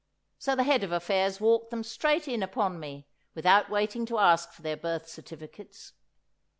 So the Head of Affairs walked them straight in upon me, without waiting to ask for their birth certificates.